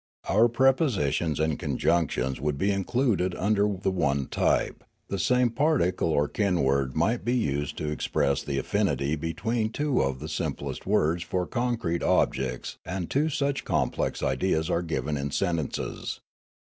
Our prepositions and conjunctions w^ould be included under the one type ; the Noola 389 same particle or kin word might be used to express the affinit}^ between two of the simplest words for concrete objects and two such complex ideas as are given in sentences.